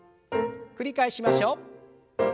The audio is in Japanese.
繰り返しましょう。